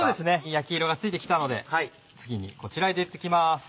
焼き色がついてきたので次にこちら入れていきます。